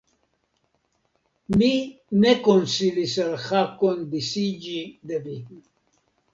Mi ne konsilis al Hakon disiĝi de vi!